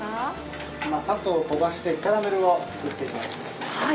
今砂糖を飛ばしてキャラメルを作っています。